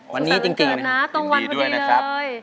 วันนี้จริงนะตรงวันที่เลยเลยดีด้วยนะครับ